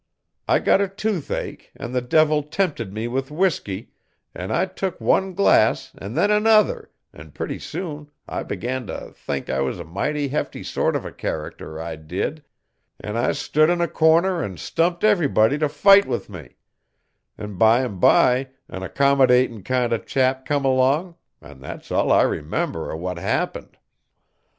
I got a toothache, an' the Devil tempted me with whiskey, an' I tuk one glass an' then another an' purty soon I began t' thank I was a mighty hefty sort of a character, I did, an' I stud on a corner an' stumped everybody t' fight with me, an' bime bye an accomanodatin' kind of a chap come along, an' that's all I remember O' what happened.